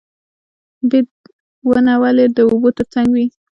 بید ونه ولې د اوبو تر څنګ وي؟